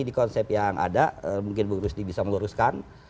di konsep yang ada mungkin bu rusdi bisa meluruskan